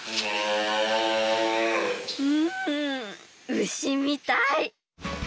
うんウシみたい。